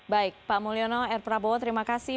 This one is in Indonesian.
baik pak mulyono r prabowo terima kasih